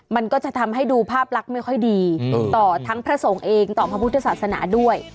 มันก็จะทำให้ดูภาพลักษณ์ไม่ค่อยดีต่อทั้งพระสงฆ์เองต่อพระพุทธศาสนาด้วย